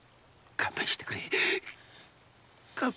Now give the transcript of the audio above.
勘弁してくれ！